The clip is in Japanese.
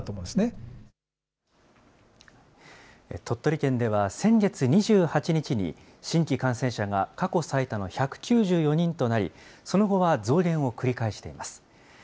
鳥取県では、先月２８日に新規感染者が過去最多の１９４人となり、その後は増減を繰り返しています。